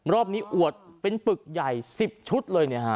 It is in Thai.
รอบนี้อวดเป็นปึกใหญ่๑๐ชุดเลยเนี่ยฮะ